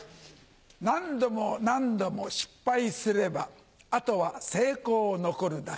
何度も何度も失敗すればあとは成功残るだけ。